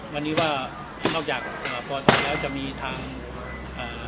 วันนี้ว่าหลอกจากพอแล้วจะมีทางเอ่อ